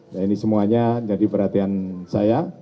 nah ini semuanya jadi perhatian saya